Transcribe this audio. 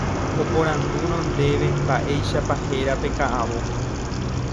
oporandúrõ ndéve mba'éichapa héra pe ka'avo